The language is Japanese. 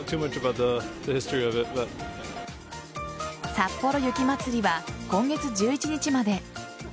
さっぽろ雪まつりは今月１１日まで。